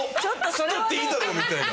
「食ったっていいだろう」みたいな。